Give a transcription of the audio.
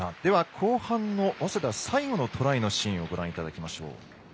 後半の早稲田最後のトライのシーンをご覧いただきましょう。